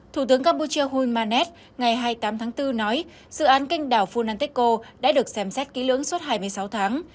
thủ tướng campuchia hun manet ngày hai mươi tám bốn nói dự án kênh đảo funantico đã được xem xét kỹ lưỡng suốt hai mươi sáu tháng